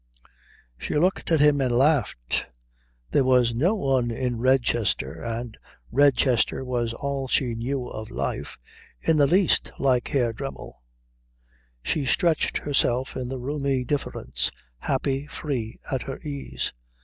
She looked at him and laughed. There was no one in Redchester, and Redchester was all she knew of life, in the least like Herr Dremmel. She stretched herself in the roomy difference, happy, free, at her ease.